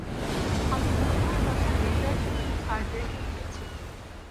আমি পিছনের বসা মেয়েটার জন্য কার্ড রেখে গিয়েছি।